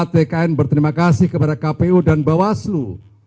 tkn berterima kasih kepada kpu dan bawaslu